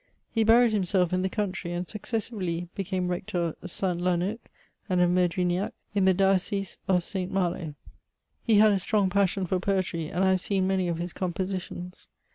He buried himself in the country, and successively became rector of Saint Launeuc, and of Merdrignac, in the diocese of Saint Malo. He had a strong passion for poetry ; and I have seen many of his compositions.